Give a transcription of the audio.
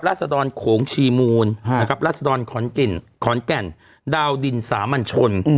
รัศดรโขงชีมูลนะครับรัศดรขอนแก่นดาวดินสามัญชน